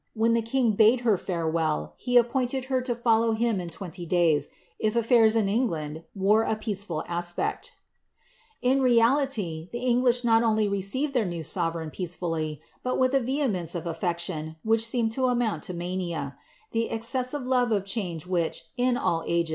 When the king bade her farewell, he appointed h". to follow him in twenty days, if atlairs in England wore a peaceabie In reality, the English not onlv received their new eovereign peacv fully, but with a vehemence of affection which seemed to amouHi i, mania. The escessive love of change which, in all age?